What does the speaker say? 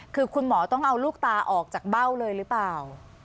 คือคุณหมอต้องเอาลูกตาออกจากเบ้าเลยหรือเปล่า